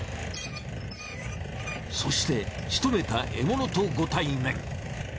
そしてしとめた獲物とご対面。